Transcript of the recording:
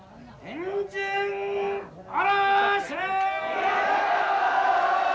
天神嵐！